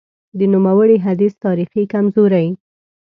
د نوموړي حدیث تاریخي کمزوري :